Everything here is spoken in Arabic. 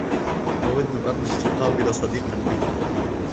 أود أن تقابل صديقاً لي.